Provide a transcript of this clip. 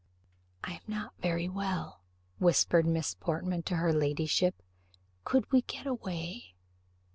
"I am not very well," whispered Miss Portman to her ladyship: "could we get away?"